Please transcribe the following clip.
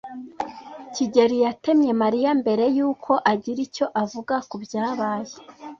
kigeli yatemye Mariya mbere yuko agira icyo avuga ku byabaye.